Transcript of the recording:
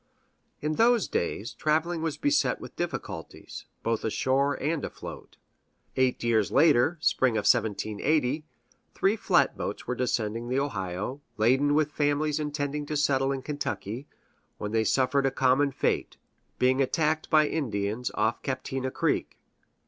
In those days, traveling was beset with difficulties, both ashore and afloat. Eight years later (spring of 1780), three flatboats were descending the Ohio, laden with families intending to settle in Kentucky, when they suffered a common fate, being attacked by Indians off Captina Creek.